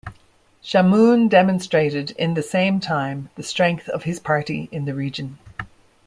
Chamoun demonstrated in the same time the strength of his party in the region.